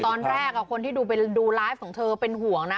ตอนแรกคนที่ดูไลฟ์ของเธอเป็นห่วงนะ